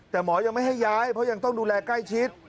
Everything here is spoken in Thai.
แต่หมอยังไม่ให้ย้ายเพราะยังต้องดูแลใกล้ชิด